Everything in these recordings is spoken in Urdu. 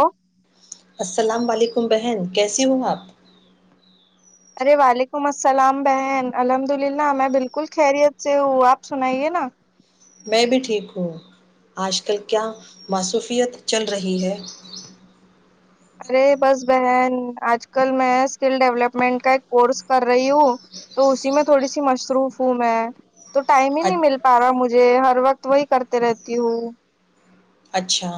ہلو السلام علیکم بہن کیسی ہوں آپ ارے وعلیکم السلام بہن الحمد للہ میں بالکل خیریت سے ہوں آپ سنائیے نا میں بھی ٹھیک ہوں آج کل کیا معصوفیت چل رہی ہے ارے بس بہن آج کل میں اسکل ڈیولپمنٹ کا ایک کورس کر رہی ہوں تو اسی میں تھوڑی سی مصروف ہوں میں تو ٹائم ہی نہیں مل اچ- پا رہا مجھے ہ ہر وقت وہی کرتے رہتی ہوں اچھا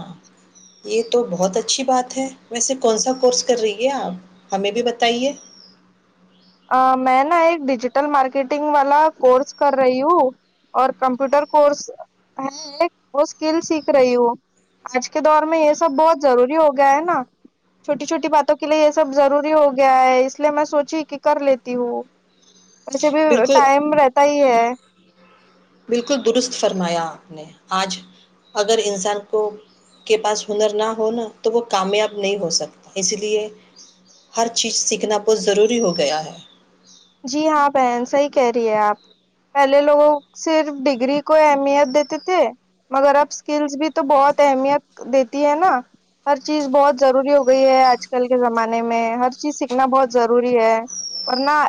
یہ تو بہت اچھی بات ہے ویسے کون سا کورس کر رہی ہے آپ ہمیں بھی بتائیے میں نا ایک ڈیجیٹل مارکیٹنگ والا کورس کر رہی ہوں اور کمپیوٹر کورس ہے ایک وہ اسکل سیکھ رہی ہوں آج کے دور میں یہ سب بہت ضروری ہو گیا ہے نا چھوٹی چھوٹی باتوں کے لیے یہ سب ضروری ہو گیا ہے اس لیے میں سوچی کہ کر لیتی ہوں ویسے بھی بالکل ٹائم رہتا ہی ہے بالکل درست فرمایا آپ نے آج اگر انسان کو کے پاس ہنر نہ ہونا تو وہ کامیاب نہیں ہو سکتا اس لے ہر چیز سیکھنا بہت ضروری ہو گیا ہے جی ہاں بہن صحیح کہہ رہی ہے آپ پہلے لوگوں صرف ڈگری کو اہمیت دیتے تھے مگر اب اسکلس بھی تو بہت اہمیت دیتی ہے نا ہر چیز بہت ضروری ہو گئی ہے آج کل کے زمانے میں ہر چیز سیکھنا بہت ضروری ہے ورنہ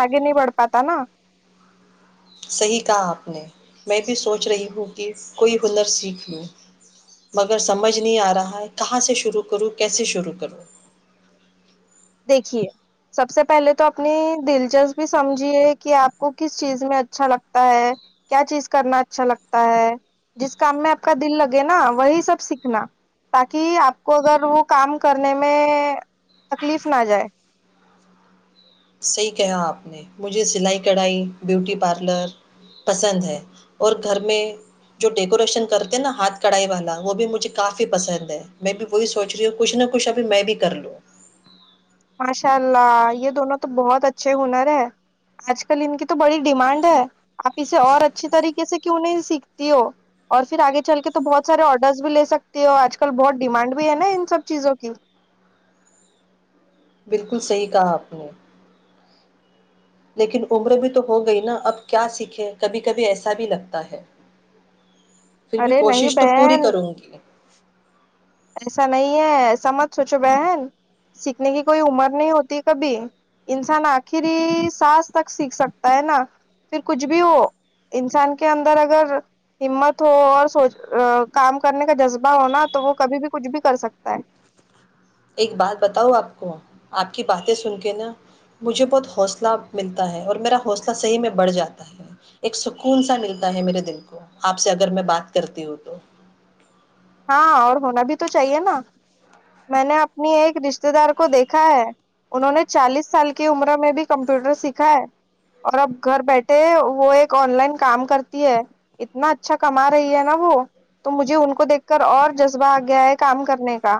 آگے نہیں بڑھ پاتا نا صحیح کہا آپ نے میں بھی سوچ رہی ہوں کہ کوئی ہنر سیکھ لوں مگر سمجھ نہیں آ رہا ہے کہاں سے شروع کروں کیسے شروع کروں دیکھیے سب سے پہلے تو اپنی دلچسپی سمجھیے کہ آپ کو کس چیز میں اچھا لگتا ہے کیا چیز کرنا اچھا لگتا ہے جس کام میں آپ کا دل لگے نا وہی سب سیکھنا تاکہ آپ کو اگر وہ کام کرنے میں تکلیف نہ جائے صحیح کہا آپ نے مجھے سلائی کڑھائی بیوٹی پارلر پسند ہے اور گھر میں جو ڈیکوریشن کرتے نا ہاتھ کڑھائی والا وہ بھی مجھے کافی پسند ہے میں بھی وہی سوچ رہی ہوں کچھ نہ کچھ ابھی میں بھی کر لوں ماشاء اللہ یہ دونوں تو بہت اچھے ہنر ہے آج کل ان کی تو بڑی ڈیمانڈ ہے آپ اسے اور اچھی طریقے سے کہ انہیں سیکھتی ہو اور پھر آگے چل کے تو بہت سارے آڈرس بھی لے سکتی ہو آج کل بہت ڈیمانڈ بھی ہے نا ان سب چیزوں کی بالکل صحیح کہا آپ نے لیکن عمر بھی تو ہو گئی نا اب کیا سیکھے کبھی کبھی ایسا بھی لگتا ہے پھر بھی ارے نہیں کوشش تو پوری بہن کروں گی ایسا نہیں ہے ایسا مت سوچو بہن سیکھنے کی کوئی عمر نہیں ہوتی کبھی انسان آخر سس تک سیکھ سکتا ہے نا پھر کچھ بھی ہو انسان کے اندر اگر ہمت ہو اور سو کام کرنے کا جذبہ ہوناا تو وہ کبھی بھی کچھ بھی کر سکتا ہے ایک بات بتاؤ آپ کو آپ کی باتیں سن کے نا مجھے بہت حوصلہ ملتا ہے اور میرا حوصلہ صحیح میں بڑھ جاتا ہے ایک سکون سا ملتا ہے میرے دل کو آپ سے اگر میں بات کرتی ہوں تو ہاں اور ہونا بھی تو چاہیے نا میں نے اپنی ایک رشتے دار کو دیکھا ہے انہوں نے چالیس سال کی عمر میں بھی کمپیوٹر سیکھا ہے اور اب گھر بیٹھے وہ ایک آن لائن کام کرتی ہے اتنا اچھا کما رہی ہے نا وہ تو مجھے ان کو دیکھ کر اور جذبہ آ گیا ہے کام کرنے کا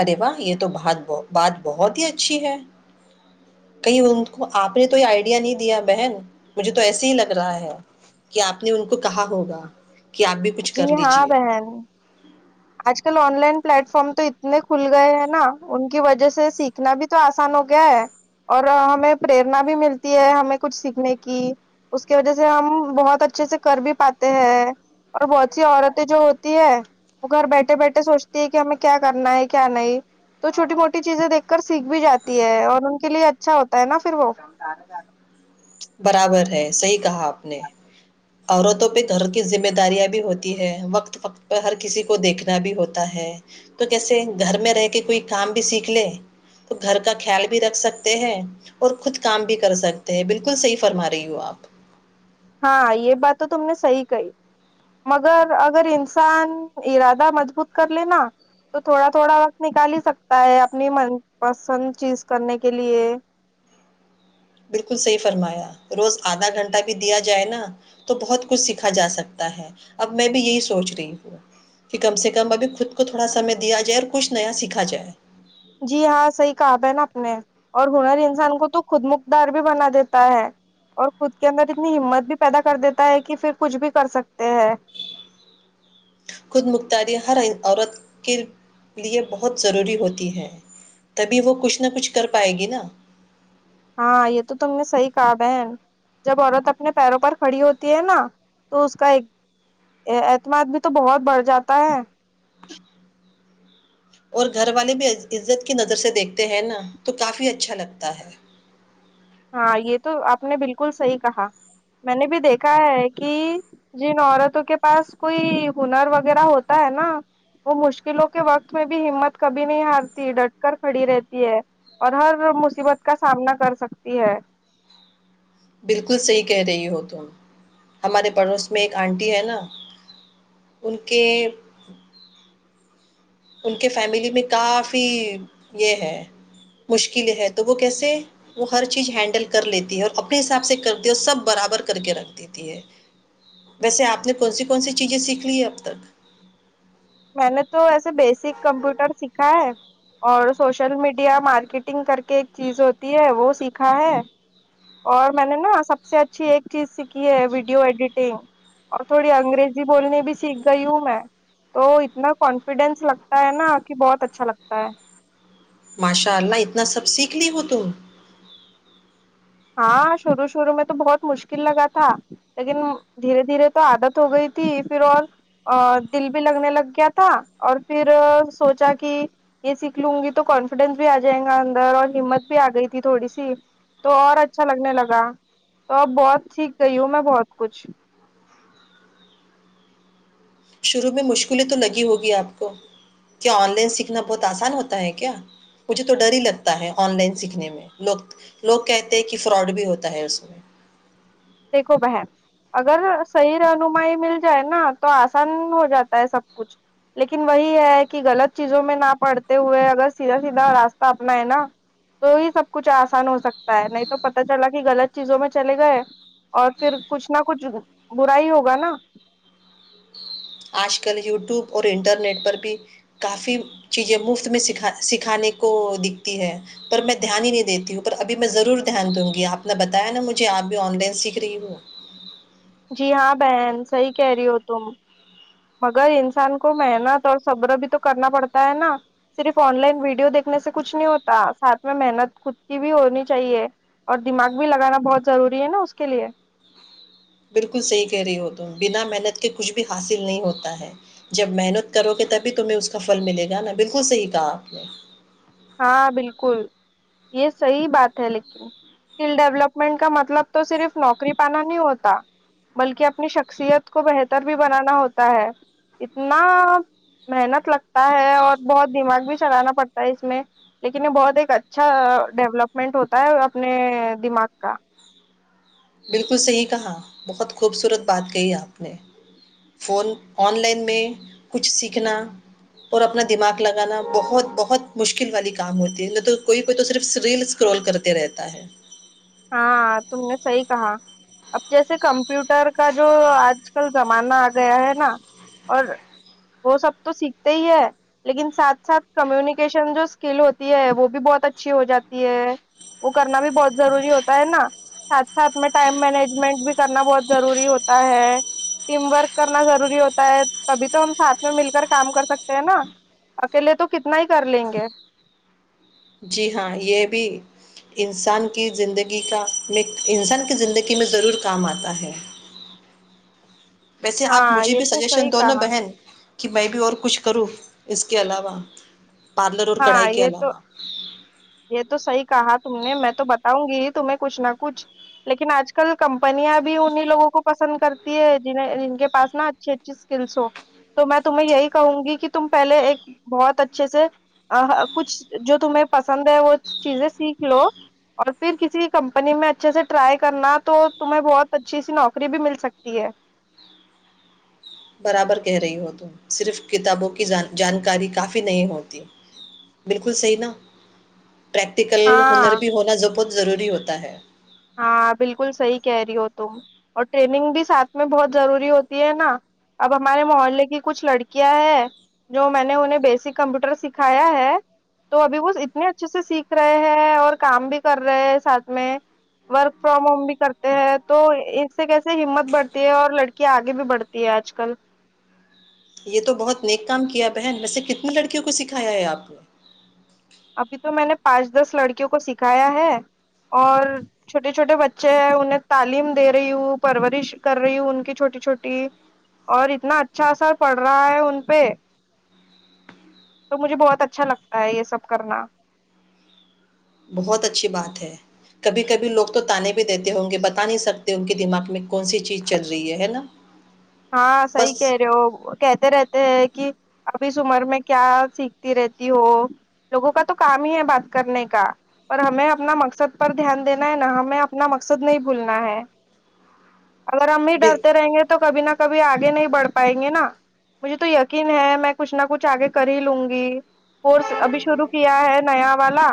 ارے واہ یہ تو بات بات بہت ہی اچھی ہے کہیں ان کو آپ نے تو آئیڈیا نہیں دیا بہن مجھے تو ایسے ہی لگ رہا ہے کہ آپ نے ان کو کہا ہوگا کہ آپ بھی کچھ جی کر ہاں لیجیے بہن آج کل آن لائن پلیٹ فارم تو اتنے کھل گئے ہیں نا ان کی وجہ سے سیکھنا بھی تو آسان ہو گیا ہے اور ہمیں پرریرنا بھی ملتی ہے ہمیں کچھ سیکھنے کی اس کی وجہ سے ہم بہت اچھے سے کر بھی پاتے ہیں اور بہت سی عورتیں جو ہوتی ہے وہ گھر بیٹھے بیٹھے سوچتی ہے کہ ہمیں کیا کرنا ہے کیا نہیں تو چھوٹی موٹی چیزیں دیکھ کر سیکھ بھی جاتی ہے اور ان کے لیے اچھا ہوتا ہے نا پھر وہ برابر ہے صحیح کہا آپ نے عورتوں پہ گھر کی ذمہ داریاں بھی ہوتی ہے وقت وقت پہ ہر کسی کو دیکھنا بھی ہوتا ہے تو کیسے گھر میں رہ کے کوئی کام بھی سیکھ لے تو گھر کا خیال بھی رکھ سکتے ہیں اور خود کام بھی کر سکتے ہیں بالکل بالکل صحیح فرما رہی ہو آپ ہاں یہ بات تو تم نے صحی کہی مگر اگر انسان ارادہ مضبوط کر لےینا تو تھوڑا تھوڑا وقت نکال ہی سکتا ہے اپنی من پسند چیز کرنے کے لیے بالکل صحیح فرمایا روز آدھا گھنٹہ بھی دیا جائے نا تو بہت کچھ سیکھا جا سکتا ہے اب میں بھی یہی سوچ رہی ہوں کہ کم سے کم ابھی خود کو تھوڑا سمے دیا جائے اور کچھ نیا سیکھا جائے جی ہاں صحیح کہا بہن آپ نے اور ہنر انسان کو تو خود مخدار بھی بنا دیتا ہے اور خود کے اندر اتنی ہمت بھی پیدا کر دیتا ہے کہ پھر کچھ بھی کر سکتے ہے خود مختاری ہر عورت کے لے بہت ضروری ہوتی ہے تبھی وہ کچھ نہ کچھ کر پائے گی نا ہاں یہ تو تم نے صحیح کہا بہن جب عورت اپنے پیروں پر کھڑی ہوتی ہے نا تو اس کا ایک اعتماد بھی تو بہت بڑھ جاتا ہے اور گھر والے بھی عزت کی نظر سے دیکھتے ہیں نا تو کافی اچھا لگتا ہے ہاں یہ تو آپ نے بالکل صحیح کہا میں نے بھی دیکھا ہے کہ جن عورتوں کے پاس کوئی ہنر وغیرہ ہوتا ہے نا وہ مشکلوں کے وقت میں بھی ہمت کبھی نہیں ہارتی ڈٹ کر کھڑی رہتی ہے اور ہر مصیبت کا سامنا کر سکتا تی ہے بالکل صحیح کہہ رہی ہو تم ہمارے پڑوس میں ایک آنٹی ہے نا ان کے ان کے فیملی میں کافی یہ ہے مشکلیں ہے تو وہ کیسے وہ ہر چیز ہینڈل کر لیتی ہے اور اپنے حساب سے کرتی ہے اور سب برابر کر کے رکھ دیتی ہے ویسے آپ نے کون سی کون سی چیزیں سیکھ لی ہیں اب تک میں نے تو ایسے بیسک کمپیوٹر سیکھا ہے اور سوشل میڈیا مارکیٹنگ کر کے ایک چیز ہوتی ہے وہ سیکھا ہے اور میں نے نا سب سے اچھی ایک چیز سیکھی ہے ویڈیو ایڈیٹنگ اور تھوڑی انگریزی بولنی بھی سیکھ گئی ہوں میں تو اتنا کانفیڈینس لگتا ہے نا کہ بہت اچھا لگتا ہے ماشاء اللہ اتنا سب سیکھ لی ہو تم ہاں شروع شروع میں تو بہت مشکل لگا تھا لیکن دھیرے دھیرے تو عادت ہو گئی تھی پھر اور دل بھی لگنے لگ گیا تھا اور پھر سوچا کہ یہ سیکھ لوں گی تو کانفیڈینس بھی آ جائے گا اندر اور ہمت بھی آ گئی تھی تھوڑی سی تو اور اچھا لگنے لگا تو اب بہت سیکھیک گئی ہوں میں بہت کچھ شروع میں مشکلیں تو لگی ہوگی آپ کو کیا آن لائن سیکھنا بہت آسان ہوتا ہے کیا مجھے تو ڈر ہی لگتا ہے آن لائن سیکھنے میں لوگ لوگ کہتے ہیں کہ فراڈ بھی ہوتا ہے اس میں دیکھو بہن اگر صحیح رہنمائی مل جائے نا تو آسان ہو جاتا ہے سب کچھ لیکن وہی ہے کہ غلط چیزوں میں نہ پڑتے ہوئے اگر سیدھا سیدھا راستہ اپنا ہے نا تو ہی سب کچھ آسان ہو سکتا ہے نہیں تو پتا چلا کہ غلط چیزوں میں چلے گئے اور پھر کچھ نہ کچھ برا ہی ہوگا نا آج کل یوٹیوب اور انٹرنیٹ پر بھی کافی چیزیں مفت میں سکھا سکھانے کو دکھتی ہے پر میں دھیان ہی نہیں دیتی ہوں پر ابھی میں ضرور دھیان دوں گی آپ نے بتایا نا مجھے آپ بھی آن لائن سیکھ رہی ہووں جی ہاں بہن صحی کہہ رہی ہو تم مگر انسان کو محنت اور صبر بھی تو کرنا پڑتا ہے نا صرف آن لائن ویڈیو دیکھنے سے کچھ نہیں ہوتا ساتھ میں محنت خود کی بھی ہونی چاہیے اور دماغ بھی لگانا بہت ضروری ہے نا اس کے لیے بالکل صحیح کہہ رہی ہو تم بنا محنت کے کچھ بھی حاصل نہیں ہوتا ہے جب محنت کرو گے تبھی تمہیں اس کا پھل ملے گا نا بالکل صحیح کہا آپ نے ہاں بالکل یہ صحی بات ہے لیکن اسکل ڈیولپمنٹ کا مطلب تو صرف نوکری پانا نہیں ہوتا بلکہ اپنی شخصیت کو بہتر بھی بنانا ہوتا ہے اتنا محنت لگتا ہے اور بہت دماغ بھی چلانا پڑتا ہے اس میں لیکن یہ بہت ایک اچھا ڈیولپمنٹ ہوتا ہے اپنے دماغ کا بالکل صحیح کہا بہت خوبصورت بات کہی آپ نے فون آن لائن میں کچھ سیکھنا اور اپنا دماغ لگانا بہت بہت مشکل والی کام ہوتی ہے نہ تو کوئی کوئی تو صرف ریل اس کررول کرتے رہتا ہے ہاں تم نے صحیح کہا اب جیسے کمپیوٹر کا جو آج کل زمانہ آ گیا ہے نا اور وہ سب تو سیکھتے ہی ہے لیکن ساتھ ساتھ کمیونیکیشن جو اسکل ہوتی ہے وہ بھی بہت اچھی ہو جاتی ہے وہ کرنا بھی بہت ضروری ہو ہوتا ہے نا ساتھ ساتھ میں ٹائم مینجمنٹ بھی کرنا بہت ضروری ہوتا ہے ٹیم ورک کرنا ضروری ہوتا ہے تبھی تو ہم ساتھ میں مل کر کام کر سکتے ہیں نا اکیلے تو کتنا ہی کر لیں گے جی ہاں یہ بھی انسان کی زندگی کا میں انسان کی زندگی میں ضرور کام آتا ہے ویسے آپ ہاں مجھے یہ بھی تو سجیشن صحیح دو نا کہا بہن کہ میں بھی اور کچھ کروں اس کے علاوہ پارلر اور ہاں کڑھائی کے یہ تو علاوہ یہ تو صحیح کہا تم نے میں تو بتاؤں گی ہی تمہیں کچھ نہ کچھ لیکن آج کل کمپنیاں بھی انہیں لوگوں کو پسند کرتی ہے جنہیں جن کے پاس نا اچھی اچھی اسکلس ہو تو میں تمہیں یہی کہوں گی کہ تم پہلے ایک بہت اچھے سے کچھ جو تمہیں پسند ہے وہ چیزیں سیکھ لو اور پھر کسی کمپنی میں اچھے سے ٹرائی کرنا تو تمہیں بہت اچھی سی نوکری بھی مل سکتی ہے برابر کہہ رہی ہو ت صرف کتابوں کی جانکاری کافی نہیں ہوتی بالکل صحیح نا پریکٹیکل ہنر ہاں بھی ہونا بہت ضروری ہوتا ہے ہاں بالکل صحیح کہہ رہی ہو تم اور ٹریننگ بھی ساتھ میں بہت ضروری ہوتی ہے نا اب ہمارے محلے کی کچھ لڑکیاں ہیں جو میں نے انہیں بیسک کمپیوٹر سکھایا ہے تو ابھی وہ اتنے اچھے سے سیکھ رہے ہیں اور کام بھی کر رہے ہیں ساتھ میں ورک فرام ہوم بھی کرتے ہیں تو اس سے کیسے ہمت بڑھتی ہے اور لڑکی آگے بھی بڑھتی ہے آج کل یہ تو بہت نیک کام کیا بہن ویس کتنی لڑکیوں کو سکھایا ہے آپ نے ابھی تو میں نے پانچ دس لڑکیوں کو سکھایا ہے اور چھوٹے چھوٹے بچے ہیں انہیں تعلیم دے رہی ہوں پرورش کر رہی ہوں ان کی چھوٹی چھوٹی اور اتنا اچھا سا پڑھ رہا ہے ان پہ تو مجھے بہت اچھا لگتا ہے یہ سب کرنا بہت اچھی بات ہے کبھی کبھی لوگ تو تانے بھی دیتے ہوں گے بتا نہیں سکتے ان کے دماغ میں کون سی چیز چل رہی ہے نا ہاں صحی بس کہہ رہے ہو کہتے رہتے کہ اب اس عمر میں کیا سیکھتی رہتی ہو لوگوں کا تو کام ہی ہے بات کرنے کا پر ہمیں اپنا مقصد پر دھیان دینا ہے نہ ہمیں اپنا مقصد نہیں بھولنا ہے اگر ہم بھی بے- ڈرتے رہیں گے تو کبھی نہ کبھی آگے نہیں بڑھ پائیں گے نا مجھے تو یقین ہے میں کچھ نہ کچھ آگے کر ہی لوں گی کورس ابھی شروع کیا ہے نیا والا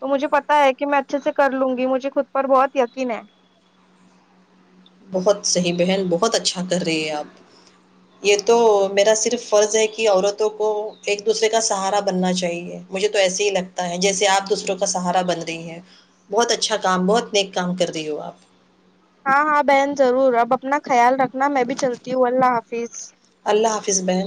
تو مجھے پتا ہے کہ میں اچھے سے کر لوں گی مجھے خود پر بہت یقین ہے بہت صحی بہن بہت اچھا کر رہی ہے آپ یہ تو میرا صرف فرض ہے کہ عورتوں کو ایک دوسرے کا سہارا بننا چاہیے مجھے تو ایسے ہی لگتا ہے جیسے آپ دوسروں کا سہارا بن رہی ہیں بہت اچھا کام بہت نیک کام کر رہی ہو آپ ہاں ہاں بہن ضرور اب اپنا خیال رکھنا میں بھی چلتی ہوں اللہ حافظ اللہ حافظ بن